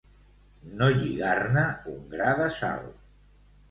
No lligar-ne un gra de sal.